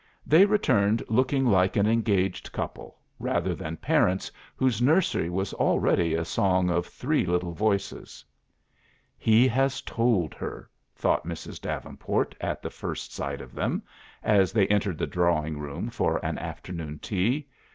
They returned looking like an engaged couple, rather than parents whose nursery was already a song of three little voices. "He has told her," thought Mrs. Davenport at the first sight of them, as they entered the drawing room for an afternoon tea.